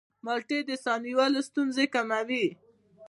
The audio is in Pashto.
مالټې د ساه نیولو ستونزې کموي.